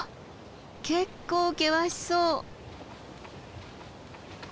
結構険しそう。